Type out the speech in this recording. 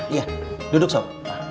iya duduk sob